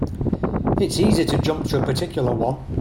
It's easy to jump to a particular one.